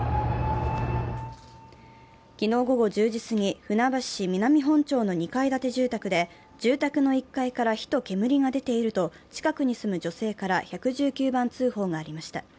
昨日午後１０時過ぎ、船橋市南本町の２階建て住宅で住宅の１階から火と煙が出ていると近くに住む女性から１１９番通報がありました。